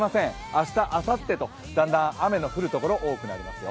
明日、あさってとだんだん雨の降るところ多くなりますよ。